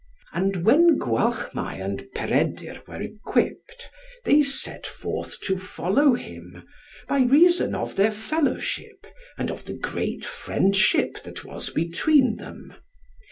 And when Gwalchmai and Peredur were equipped, they set forth to follow him, by reason of their fellowship, and of the great friendship that was between them.